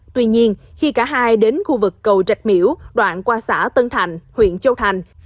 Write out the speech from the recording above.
tuy nhiên khi cả hai đến khu vực cầu trạch miễu đoạn qua xã tân thành huyện châu thành